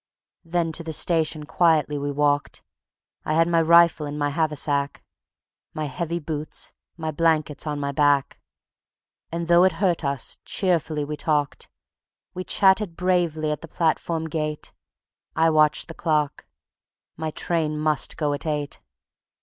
Then to the station quietly we walked; I had my rifle and my haversack, My heavy boots, my blankets on my back; And though it hurt us, cheerfully we talked. We chatted bravely at the platform gate. I watched the clock. My train must go at eight.